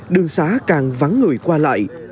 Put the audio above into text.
đường xá càng vắng người qua lại